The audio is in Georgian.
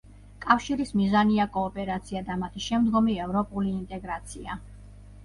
კავშირის მიზანია კოოპერაცია და მათი შემდგომი ევროპული ინტეგრაცია.